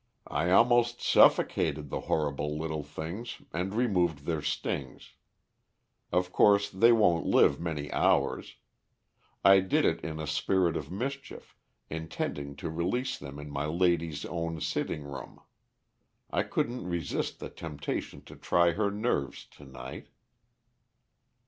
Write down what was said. I almost suffocated the horrible little things and removed their stings. Of course, they won't live many hours. I did it in a spirit of mischief, intending to release them in my lady's own sitting room. I couldn't resist the temptation to try her nerves to night."